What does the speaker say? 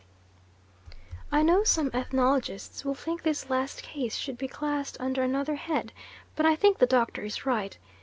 I know some ethnologists will think this last case should be classed under another head, but I think the Doctor is right.